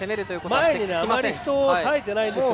前にあまり人を割いていないんですね。